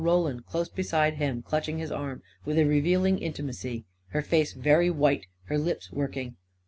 Roland, close beside him, clutching his arm with a revealing inti macy ; her face very white, her lips working